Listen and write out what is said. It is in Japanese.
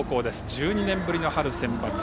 １２年ぶりの春センバツ。